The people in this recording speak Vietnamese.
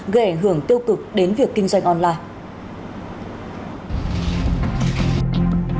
gây ảnh hưởng tiêu cực đến việc kinh doanh online